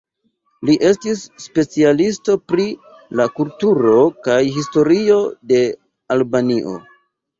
Li estis specialisto pri la kulturo kaj la historio de Albanio.